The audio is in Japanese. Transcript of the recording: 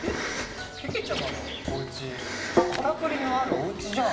ケ？けけちゃまのおうちカラクリのあるおうちじゃん。